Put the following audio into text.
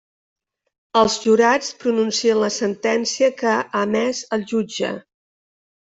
Els jurats pronuncien la sentència que ha emès el jutge.